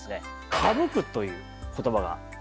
「傾く」という言葉がございます。